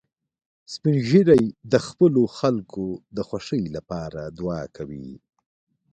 سپین ږیری د خپلو خلکو د خوښۍ لپاره دعا کوي